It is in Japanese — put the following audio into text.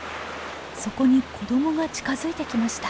そこに子どもが近づいてきました。